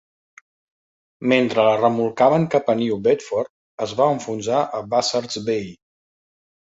Mentre la remolcaven cap a New Bedford, es va enfonsar a Buzzards Bay.